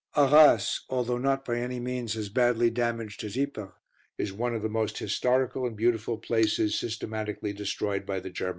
Arras, although not by any means as badly damaged as Ypres, is one of the most historical and beautiful places systematically destroyed by the Germans.